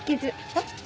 えっ？